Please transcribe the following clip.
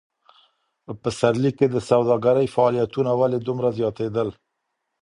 په پسرلي کي د سوداګرۍ فعالیتونه ولي دومره زیاتېدل؟